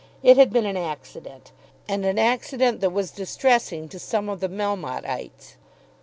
It had been an accident, and an accident that was distressing to some of the Melmottites.